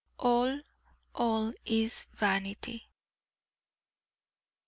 ALL, ALL IS VANITY.